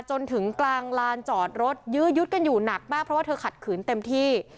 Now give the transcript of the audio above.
จนถึงกลางลานจอดรถยื้อยุดกันอยู่หนักมากเพราะว่าเธอขัดขืนเต็มที่